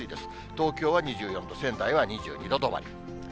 東京は２４度、仙台は２２度止まり。